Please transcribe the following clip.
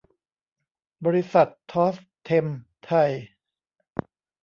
บริษัท ทอส เท็มไทย